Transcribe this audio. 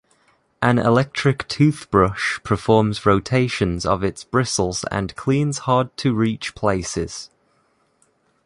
An electric toothbrush performs rotations of its bristles and cleans hard to reach places.